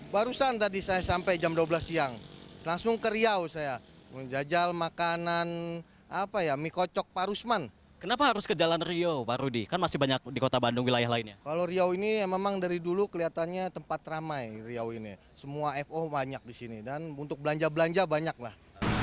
banyak di sini dan untuk belanja belanja banyak lah